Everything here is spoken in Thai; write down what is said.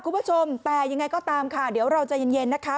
คุณผู้ชมแต่ยังไงก็ตามค่ะเดี๋ยวเราใจเย็นนะคะ